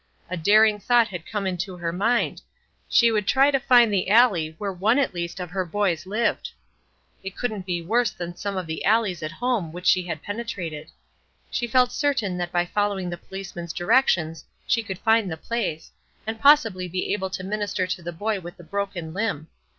A daring thought had come into her mind; she would try to find the alley where one at least of her boys lived. It couldn't be worse than some of the alleys at home which she had penetrated. She felt certain that by following the policeman's directions she could find the place, and possibly be able to minister to the boy with a broken limb.